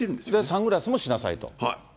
サングラスもしなさいと。